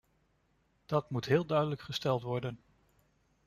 Dat moet heel duidelijk gesteld worden.